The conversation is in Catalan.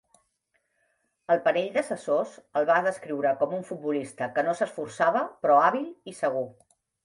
El panell d'assessors el va descriure com un futbolista que no s'esforçava, però hàbil i segur.